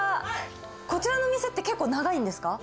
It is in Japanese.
こちらのお店って、結構長いんですか？